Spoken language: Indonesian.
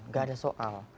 nggak ada soal